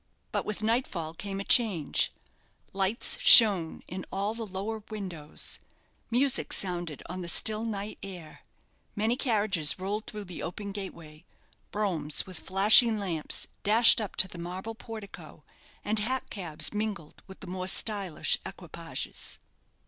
But with nightfall came a change. Lights shone in all the lower windows, music sounded on the still night air, many carriages rolled through the open gateway broughams with flashing lamps dashed up to the marble portico, and hack cabs mingled with the more stylish equipages.